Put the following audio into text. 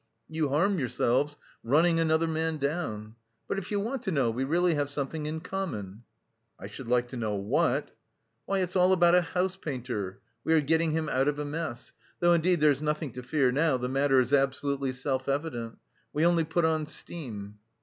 You harm yourselves running another man down.... But if you want to know, we really have something in common." "I should like to know what." "Why, it's all about a house painter.... We are getting him out of a mess! Though indeed there's nothing to fear now. The matter is absolutely self evident. We only put on steam."